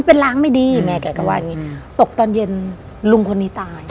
เป็นล้างไม่ดีแม่แก่อง่าวันตกต้นเย็นหลงคนนี้ตาย